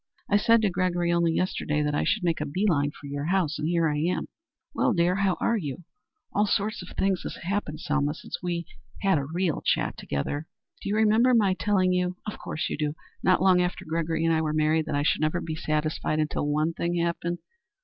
I said to Gregory only yesterday that I should make a bee line for your house, and here I am. Well, dear, how are you? All sorts of things have happened, Selma, since we've had a real chat together. Do you remember my telling you of course you do not long after Gregory and I were married that I never should be satisfied until one thing happened?